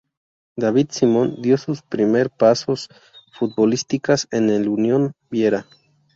David Simón dio sus primer pasos futbolísticas en el Unión Viera.